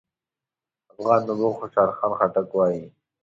افغان نبوغ خوشحال خان خټک وايي: